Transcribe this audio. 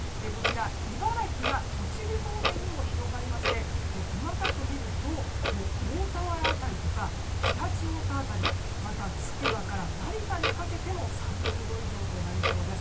茨城や栃木方面にも広がりまして細かく見ると大田原辺りとか常陸太田辺りまた、つくばから成田にかけても３０度以上となりそうです。